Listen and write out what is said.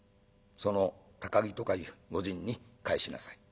その高木とかいう御仁に返しなさい。